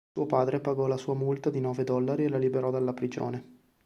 Suo padre pagò la sua multa di nove dollari e la liberò dalla prigione.